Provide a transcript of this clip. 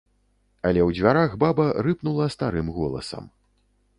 Але ў дзвярах баба рыпнула старым голасам.